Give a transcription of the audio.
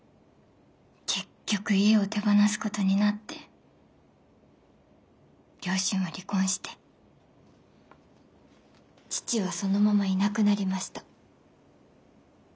結局家を手放すことになって両親は離婚して父はそのままいなくなりました。